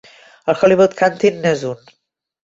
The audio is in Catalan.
El Hollywood Canteen n'és un.